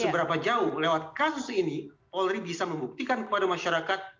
seberapa jauh lewat kasus ini polri bisa membuktikan kepada masyarakat